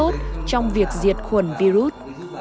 trong việc diệt khuẩn virus